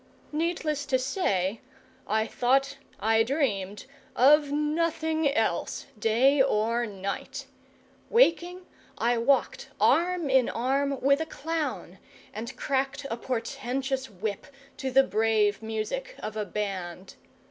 Needless to say, I thought, I dreamed of nothing else, day or night. Waking, I walked arm in arm with a clown, and cracked a portentous whip to the brave music of a band.